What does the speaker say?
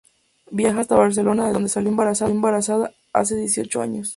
Viaja hasta Barcelona de donde salió embarazada hace dieciocho años.